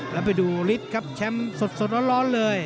แล้วไปดูฤทธิ์ครับแชมป์สดร้อนเลย